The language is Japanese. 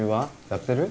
やってる？